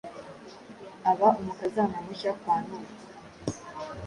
aba umukazana mushya kwa Nuwo.